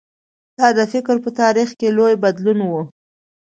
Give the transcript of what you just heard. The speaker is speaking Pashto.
دا د فکر په تاریخ کې لوی بدلون و.